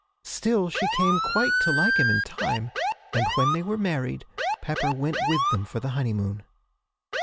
Still, she came quite to like him in time; and when they were married, Pepper went with them for the honeymoon.'